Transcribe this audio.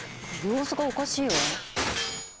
様子がおかしいわ。